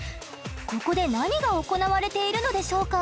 ここで何が行われているのでしょうか？